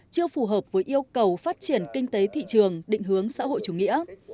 chưa phù hợp với yêu cầu phát triển kinh tế thị trường định hướng xã hội chủ nghĩa